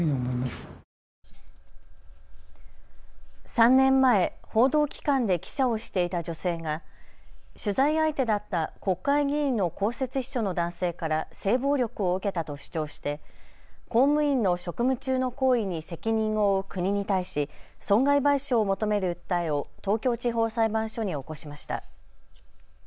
３年前、報道機関で記者をしていた女性が取材相手だった国会議員の公設秘書の男性から性暴力を受けたと主張して公務員の職務中の行為に責任を負う国に対し損害賠償を求める訴えを東京地方裁判所に起こしました。